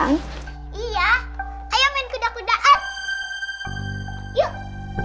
karena mama udah males untuk jagain aku